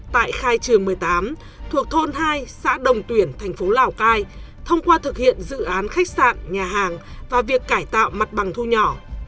tại khai trường một mươi tám thuộc thôn hai xã đồng tuyển thành phố lào cai thông qua thực hiện dự án khách sạn nhà hàng và việc cải tạo mặt bằng thu nhỏ